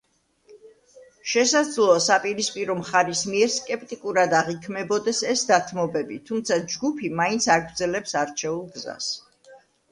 შესაძლოა საპირისპირო მხარის მიერ სკეპტიკურად აღიქმებოდეს ეს დათმობები, თუმცა ჯგუფი მაინც აგრძელებს არჩეულ გზას.